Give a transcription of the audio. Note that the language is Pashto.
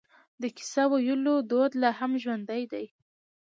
د کیسه ویلو دود لا هم ژوندی دی.